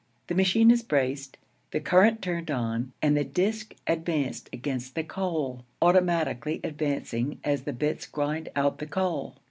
The machine is braced, the current turned on, and the disk advanced against the coal, automatically advancing as the bits grind out the coal.